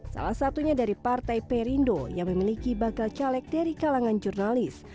salah satunya dari partai perindo yang memiliki bakal caleg dari kalangan jurnalis